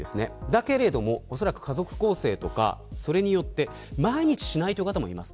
だけれどもおそらく家族構成とかそれによって毎日しないという方もいます。